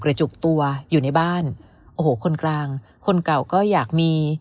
จุกตัวอยู่ในบ้านโอ้โหคนกลางคนเก่าก็อยากมี